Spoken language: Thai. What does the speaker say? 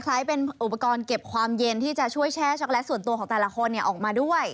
คล้ายเป็นอุปกรณ์เก็บความเย็นที่จะช่วยแช่ช็อกโลตส่วนตัวของแต่ละคนออกมาด้วย